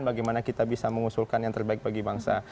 bagaimana kita bisa mengusulkan yang terbaik bagi bangsa